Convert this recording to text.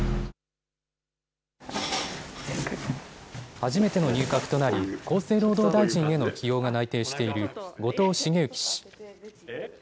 初めての入閣となり、厚生労働大臣への起用が内定している、後藤茂之氏。